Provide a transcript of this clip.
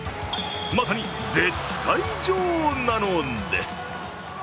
まさに絶対女王なのです。